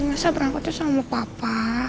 masa berangkatnya sama papa